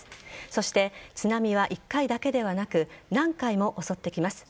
そして、津波は１回だけではなく何回も襲ってきます。